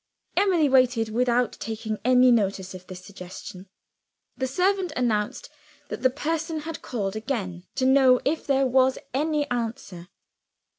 Emily waited, without taking any notice of this suggestion. The servant announced that "the person had called again, to know if there was any answer."